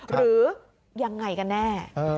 หรือยังไงกันแน่